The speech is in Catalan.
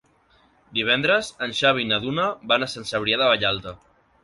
Divendres en Xavi i na Duna van a Sant Cebrià de Vallalta.